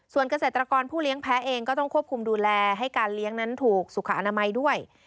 ส่วนเกษตรกรผู้เลี้ยงแพ้เองก็ต้องควบคุมดูแลให้การเลี้ยงนั้นถูกสุขอนามัยด้วย